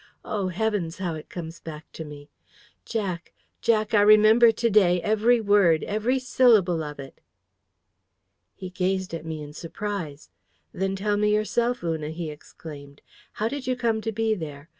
Oh, heavens, how it comes back to me! Jack, Jack, I remember to day every word, every syllable of it!" He gazed at me in surprise. "Then tell me yourself, Una!" he exclaimed. "How did you come to be there?